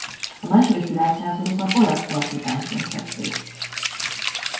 A második világháborúban olasz partizánként vett részt.